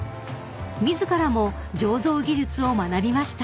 ［自らも醸造技術を学びました］